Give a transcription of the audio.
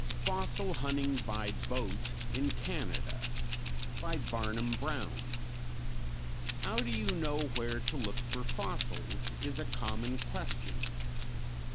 FOSSIL HUNTING BY BOAT IN CANADA. By Barnum Brown. "How do you know where to look for fossils?" is a common question.